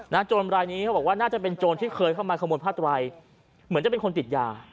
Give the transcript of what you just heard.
โจรรายนี้เขาบอกว่าน่าจะเป็นโจรที่เคยเข้ามาขโมยผ้าไตรเหมือนจะเป็นคนติดยา